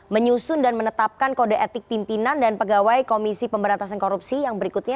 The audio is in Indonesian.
menyusun dan menetapkan kode etik pimpinan dan pegawai komisi pemberantasan korupsi yang berikutnya